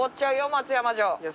松山城